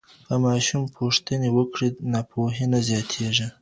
که ماشوم پوښتنې وکړي، ناپوهي نه زیاتېږي.